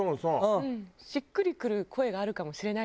しっくりくる声があるかもしれないですしね。